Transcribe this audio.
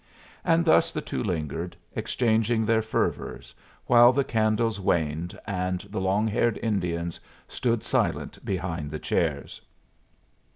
And thus the two lingered, exchanging their fervors, while the candles waned, and the long haired Indians stood silent behind the chairs.